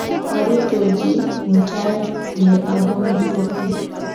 Arutochin mutai ye abunu sugul.